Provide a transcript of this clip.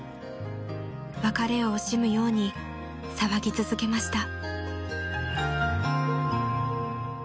［別れを惜しむように騒ぎ続けました］